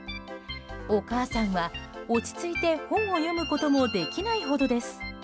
お母さんは落ち着いて本を読むこともできないほどです。